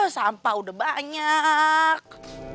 sampah udah banyak